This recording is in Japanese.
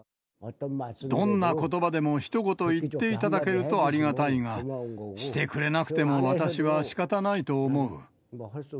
どんなことばでも、ひと言言っていただけるとありがたいが、してくれなくても、私はしかたないと思う。